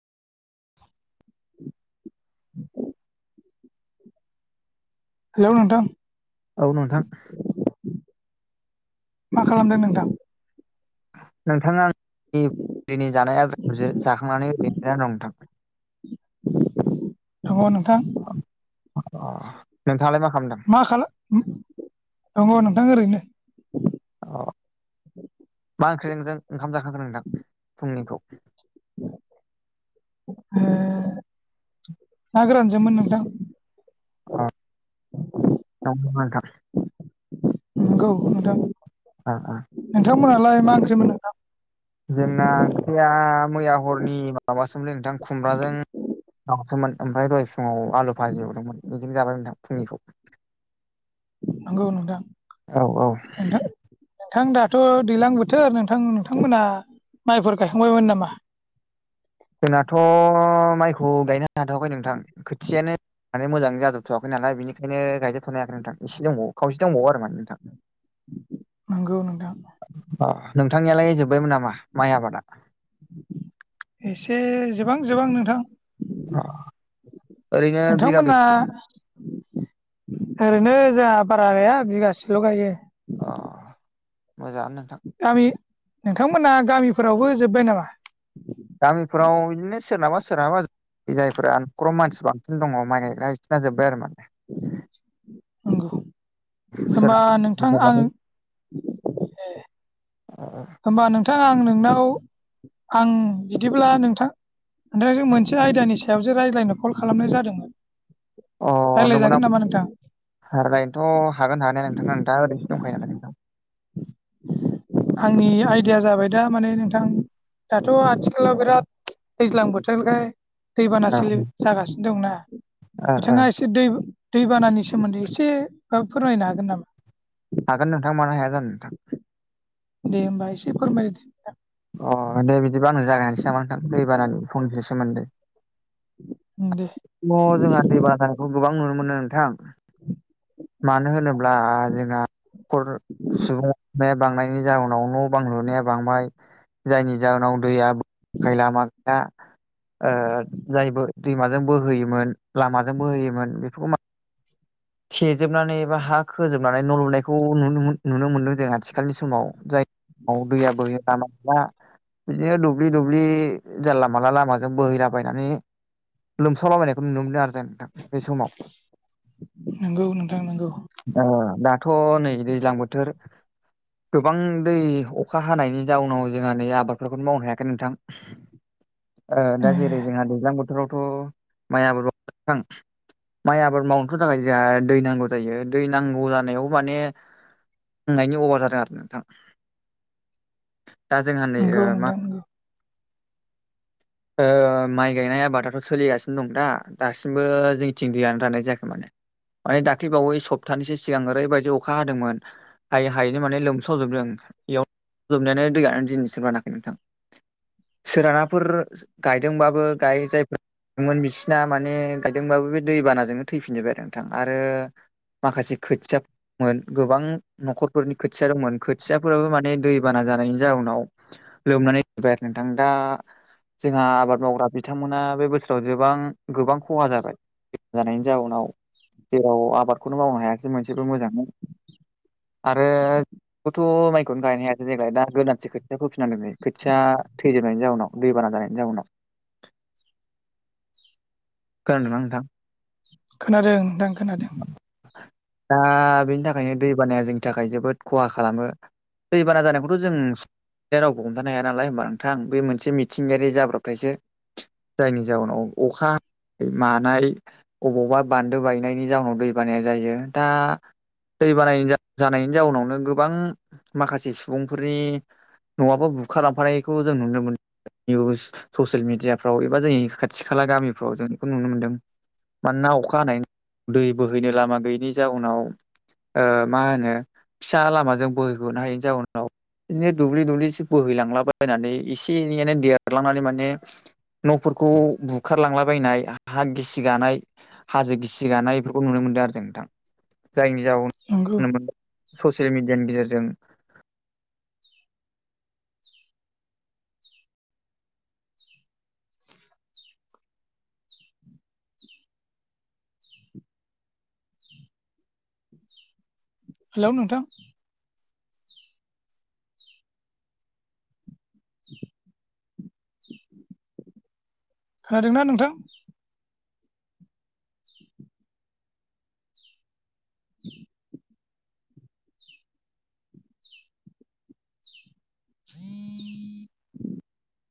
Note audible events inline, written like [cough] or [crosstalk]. [inaudible] Hello नोंथां। औ नोंथां। मा खालामदों नोंथां? नोंथां आं निफ दिनै जानाय आद्राखौजो जाखांनानै ओरैनो दं थां। अबाव नोंथां? अ' अ' नोंथाङालाय मा खालामदों? उम दङो नोंथां ओरैनो। अ' मा ओंख्रि नोंजों ओंखाम जाखांखो नोंथां फुंनिखौ उम ना गोरान जोमोन नोंथां। आ दङो नोंथां। नोंगौ नोंथां। आ आ नोंथांमोनालाय मा ओंख्रिमोन नोंथां? जोंना ओंख्रिया मैया हरनि माबासोमलै नोंथां खुमब्राजों दावसोमोन ओमफाय दहय फुङाव आलु बाजि एवदोंमोन बिदिनो जाबाय नोंथां फुंनिखौ। नंगौ नोंथां औ औ नोंथां नोंथां दाथ' दैलां बोथोर नोंथां नोंथांमोना माइफोर गायखांबायमोन नामा? जोंनाथ' माइखौ गायनो हाथ'वाखै नोंथां खोथियानो माने मोजांङै जाजोबथ'आखै नालाय बेनिखायनो गायजोबथ'नो हायाखै नोंथां एसे दंबावो खावसे दंबावो आरो माने नोंथां। नोंगौ नोंथां। ओ आ नोंथांनियालाय जोबबायमोन नामा माइ आबादा? एसे जोबहां जोबहां नोंथां। अ ओरैनो नोंथां बिगा मोनना बेसे ओरैनो जाहा बारा गाया बिगासेल' गायो। अ मोजाङानो नोंथां गामि नोंथांमोना गामिफोरावबो जोबबाय नामा? गामिफोराव इदिनो सोरनाबा सोरहाबा जायफोरा नखराव मानसि बांसिन दङ माइ गायग्रा बिसिना जोबबाय आरो माने नंगौ होमबा नोंथां आं [inaudible] [unintelligible] [inaudible] [unintelligible] होमबा नोंथां आं नोंनाव आं बिदिब्ला नोंथां नाथां जों मोनसे आयदानि सायावसो रायज्लायनो कल खालामनाय जादोंमोन अ रायज्लायजागोन नंगौना नामा नोंथां [inaudible] रायनोथ' हागोन हानाया नोंथां आं दा ओरैनसो दंखायो नालाय नोंथां आंनि आयदाया जाबाय दा माने नोंथां दाथ' आथिखालाव बिराद दैज्लां बोथोरखाय दैबाना औ सोलि जागासिनो दंना ओ ओ बिथाङा इसे दै दैबानानि सोमोन्दै इसे ओ फोरमायनो हागोन नामा? हागोन नोंथां मानो हाया जानो नोथां दे होमबा एसे फोरमायदो अ दे बिदिबा आंनो जागायनोसै नामा नोंथां दै बानानि फंनैसो सोमोन्दो उम दे म जोंहा दै बानाखौ गोबां नुनो मोनो नोंथां मानो होनो ब्ला जोंहा खर सुबुं बांनायनि जाउनाव न' बां लुनाया बांबाय जायनि जाहोनाव दैया खायलामा ङा ओ जायबो दैमाजों बोहोयोमोन लामाजों बोहोयोमोन बेफोखो मा [inaudible] थेेजोबनानै एबा हा खोजोबनानै न' लुनायखौ नुनोमोन नुनो मोन्दों जों आथिखालनि समाव जाय औ दैया बोहैनान' दा बिदिनो दुब्लि दुब्लि जानला मानला लामाजों बोहैलाबायनानै लोमसावलाबायनायखौ नुनो मोनदों आरो जों नोंथां बे समाव नंगौ नोंथां नंगौ [inaudible] ओ दाथ' नै दैज्लां बोथोर गोबां दै अखा हानायनि जाउनाव जोंहा नै आबादफोरखौनो मावनो हायाखै नोंथां ओ दा जेरै जोंहा दैज्लां बोथ थोरावथ' माइ आबाद [unintelligible] माइ आबाद मावनोथ' थाखाय जोंहा दै नांगौ जायो दै नांगौ जानायाव माने बुंनायनि अभार जादों आरो नोंथां दा जोंहा नै नंगौ ओ मा नोंथां नंगौ [inaudible] ओ माइ गायनाय आबादाथ' सोलिगासिन दं दा दासिमबो जोंनिथिं दैयानो राननाय जायाखै माने माने दाख्लौ बावै सप्तानैसो सिगां ओरैबायदि अखा हादोंमोन हायै हायैनो माने लोमसावजोबदों इयाव जोबनायानो दैयानो दिनैसिम रानाखै नोंथां सोरानाफोर गायदोंबाबो गाय जायफोर मोन बिसिना माने गायदोंबाबो बे दै बानाजोंनो थैफिनबाय आरो नोंथां आरो माखासे खोथिया मोन गोबां न'खरफोरनि खोथिया दंमोन खोथियाफोराबो माने दै बाना जानायनि जाउनाव लोमनानै [unintelligible] आरो नोंथां दा जोंहा आबाद मावग्रा बिथांमोना बे बोसोराव जोबां गोबां खहा जाबाय जानायनि जाउनाव जेराव आबादखौनो मावनो हायासै मोनसेबो मोजांयै आरो खुथ' माइखौनो गायनाया देग्गाय दा गोदानसो खोथिया फोफिन नांदों [unintelligible] खोथिया थैजोबनायनि जाउनाव दै बाना जानायनि जाउनाव [inaudible] खोनादोंना नोंथां? खोनादों नोंथां खोनादों। दा बेनि थाखायनो दै बानाया जोंनि थाखाय जोबोद खहा खालामो दैबाना जानायखौथ' जों दा रावबो हमथानो हाया नालाय होमबा नोंथां बे मोनसे मिथिंगायारि जाब्रबथायसो जायनि जउोनाव अखा ह मानाय अबावबा बान्दो बाय मोननायनि जाउनाव दै बानाया जायो दा दै बानाय जानायनि जाउनावनो गोबां माखासे सुबुंफोरनि न'आबो बुखार लांफानायखौ जों नुनो मोनो। निउस ससियेल मिडियाफ्राव एबा जोंनि खाथि खाला गामिफ्राव जों बेखौ नुनो मोन्दों। मानोना अखा हानायनि दै बोहैनो लामा गैयैनि जाउनाव मा होनो फिसा लामाजों बोहैहनो हायैनि जाउनाव बिदिनो दुब्लि दुब्लिसे बोहैलांलाबायनानै एसे एनैयनो देरलांनानै माने न'फोरखौ बुखारलांलाबायायनाय हा गिसि गानाय हाजो गिसि थिगानाय बेफोरखौ नुनो मोनदों आरो जों नोंथां जायनि जाउाव नंगौ नुनो मोनदों। ससियेल मिडियानि गेजेरजों हेलौ नोंथां। खोनादों ना नोंथां ए